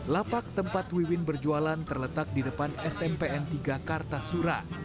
lapak tempat wiwin berjualan terletak di depan smpn tiga kartasura